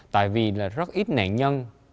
tại vì là rất ít nạn nhân